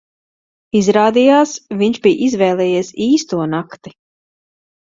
Izrādījās, viņš bija izvēlējies īsto nakti.